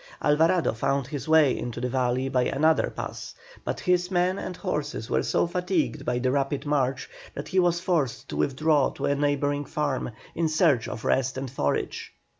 Alvarado found his way into the valley by another pass; but his men and horses were so fatigued by the rapid march that he was forced to withdraw to a neighbouring farm in search of rest and forage.